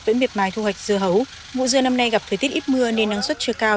vẫn miệt mài thu hoạch dưa hấu vụ dưa năm nay gặp thời tiết ít mưa nên năng suất chưa cao